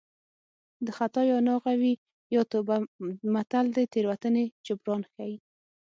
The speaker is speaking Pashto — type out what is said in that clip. د خطا یا ناغه وي یا توبه متل د تېروتنې جبران ښيي